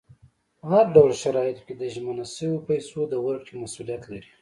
په هر ډول شرایطو کې د ژمنه شویو پیسو د ورکړې مسولیت لري.